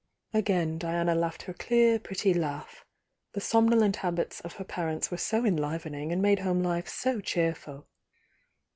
Again Diana laughed her clear, pretty laugh. The somnolent habits of her parents were so enlivening, and made home life so cheerful!